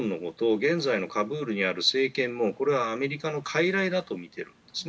現在のカブールにある政権もこれはアメリカの傀儡だとみているんですね。